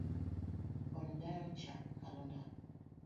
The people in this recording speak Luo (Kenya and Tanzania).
Kony dayo cha kalo ndara